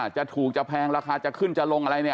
จะถูกจะแพงราคาจะขึ้นจะลงอะไรเนี่ย